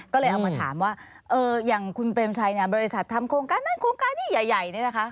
ก็เลยเอามาถามว่าอย่างคุณเปรมชัยเนี่ยบริษัททำโครงการนั้นโครงการนี้ใหญ่นี่นะคะ